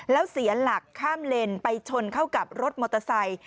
แล้วเสียหลักข้ามเลนไปชนเข้ากับรถมอเตอร์ไซค์